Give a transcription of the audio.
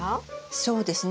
そうですね